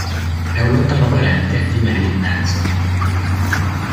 É un lontano parente di Marilyn Manson.